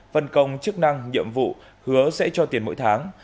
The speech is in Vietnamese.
phân công chức năng nhiệm vụ hứa sẽ cho tiền mỗi tháng